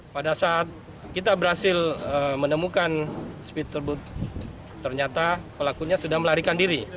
pada saat kita berhasil menemukan speed tersebut ternyata pelakunya sudah melarikan diri